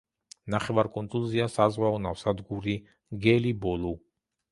ნახევარკუნძულზეა საზღვაო ნავსადგური გელიბოლუ.